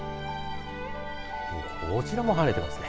こちらも晴れてますね。